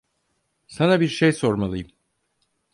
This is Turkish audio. Sana bir şey sormalıyım.